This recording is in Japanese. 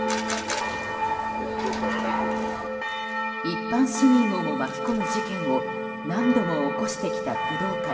一般市民をも巻き込む事件を何度も起こしてきた工藤会。